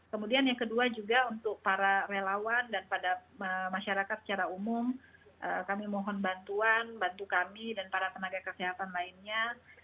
kemudian yang kedua juga untuk para relawan dan pada masyarakat secara umum kami mohon bantuan bantu kami dan para tenaga kesehatan lainnya